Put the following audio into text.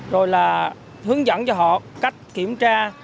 rồi là hướng dẫn cho họ cách kiểm tra